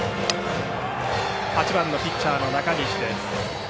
８番のピッチャー中西です。